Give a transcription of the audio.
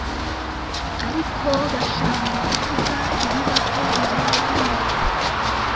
ariko bashaka kuvuga ibibaho mu mibanire